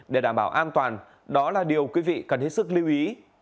để đảm bảo an toàn đó là điều quý vị cần hết sức lưu ý